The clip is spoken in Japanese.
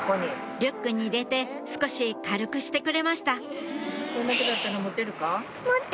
リュックに入れて少し軽くしてくれました